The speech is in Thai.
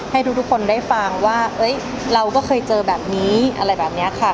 ให้ทุกคนได้ฟังว่าเราก็เคยเจอแบบนี้อะไรแบบนี้ค่ะ